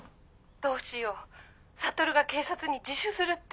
どうしよう悟が警察に自首するって。